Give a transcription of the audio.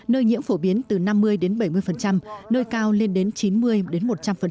nơi nhiễm phổ biến từ năm mươi đến bảy mươi nơi cao lên đến chín mươi đến một trăm linh